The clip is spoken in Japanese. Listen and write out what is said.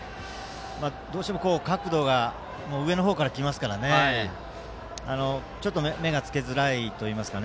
どうしても角度が上の方から来ますからちょっと目がつけづらいといいますか。